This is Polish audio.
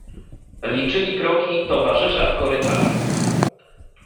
"Liczyli kroki towarzysza w korytarzu."